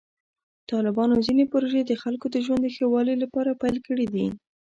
طالبانو ځینې پروژې د خلکو د ژوند د ښه والي لپاره پیل کړې دي.